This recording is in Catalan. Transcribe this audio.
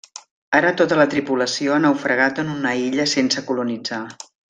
Ara tota la tripulació ha naufragat en una illa sense colonitzar.